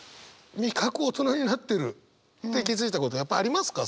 味覚大人になってるって気付いたことやっぱありますか？